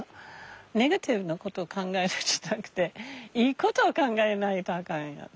ネガティブなことを考えるんじゃなくていいことを考えないとあかんよね。